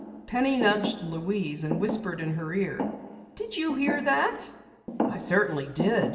Penny nudged Louise and whispered in her ear: "Did you hear that?" "I certainly did.